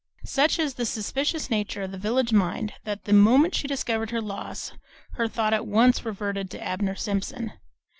Such is the suspicious nature of the village mind that the moment she discovered her loss her thought at once reverted to Abner Simpson.